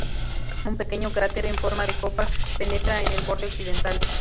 Un pequeño cráter en forma de copa penetra en el borde occidental.